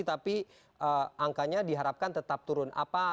tapi angkanya diharapkan tetap turun